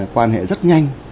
quan hệ rất nhanh